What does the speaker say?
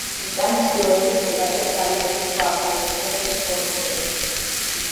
ციხესიმაგრიდან ჩრდილოეთით მდებარეობს გალილეის ზღვა, ხოლო დასავლეთით ბორცვები.